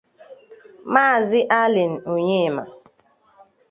Maazị Allen Onyema